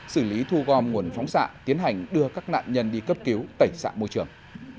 xử lý thu gom nguồn phóng xạ tiến hành đưa các nạn nhân đi cấp cứu tẩy xạ môi trường